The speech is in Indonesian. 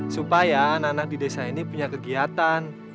supaya anak anak di desa ini punya kegiatan